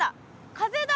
風だ。